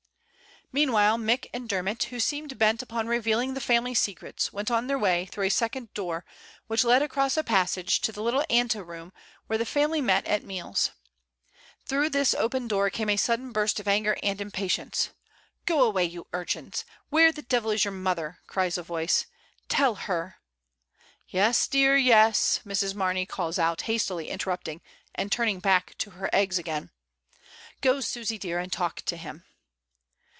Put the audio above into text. Meanwhile Mick and Dermot, who seemed bent upon revealing the family secrets, went on their way through a second door, which led across a passage to the little ante room where the family met at THE ATELIER. 83 meals. Through this open door came a sudden burst of anger and impatience. "Go away, you urchins. Where the devil is your mother?" cries a voice. "Tell her ". "Yes, dear, yes," Mrs. Mamey calls out, hastily interrupting, and turning back to her eggs again. "Go, Susy dear, and talk to him."